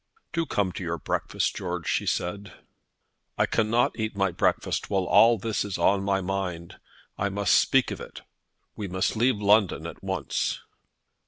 "Do come to your breakfast, George," she said. "I cannot eat my breakfast while all this is on my mind. I must speak of it. We must leave London at once."